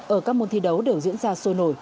ở các môn thi đấu đều diễn ra sôi nổi